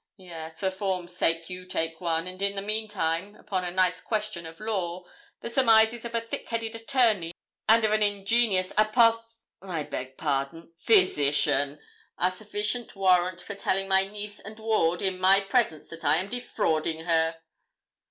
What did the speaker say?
'Yes, for form's sake you take one, and in the meantime, upon a nice question of law, the surmises of a thick headed attorney and of an ingenious apoth I beg pardon, physician are sufficient warrant for telling my niece and ward, in my presence, that I am defrauding her!'